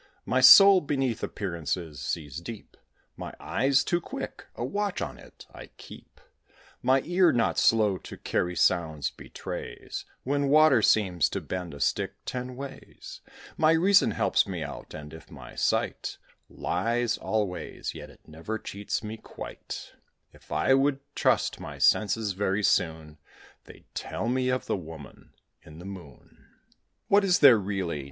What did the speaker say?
My soul, beneath appearances, sees deep; My eye's too quick, a watch on it I keep; My ear, not slow to carry sounds, betrays; When water seems to bend a stick ten ways, My reason helps me out, and if my sight Lies always, yet it never cheats me quite: If I would trust my senses, very soon They'd tell me of the woman in the moon. What is there really?